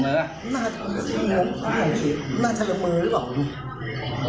อ๋อหรือกินเหล้าขังก่อนหน่อย